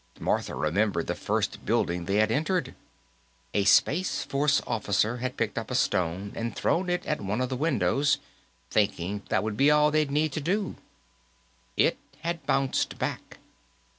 Martha remembered the first building they had entered. A Space Force officer had picked up a stone and thrown it at one of the windows, thinking that would be all they'd need to do. It had bounced back.